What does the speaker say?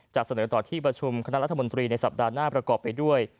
จะเสนอต่อที่ประชุมคณะรัฐมนตรีในสัปดาห์หน้าประกอบไปด้วย